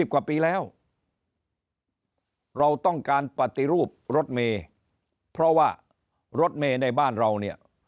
กว่าปีแล้วเราต้องการปฏิรูปรถเมย์เพราะว่ารถเมย์ในบ้านเราเนี่ย